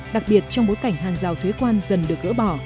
đặc biệt trong bối cảnh hàng rào thuế quan dần được gỡ bỏ